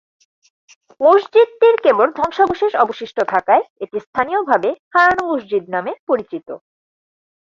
মসজিদটির কেবল ধ্বংসাবশেষ অবশিষ্ট থাকায় এটি স্থানীয়ভাবে হারানো মসজিদ নামে পরিচিত।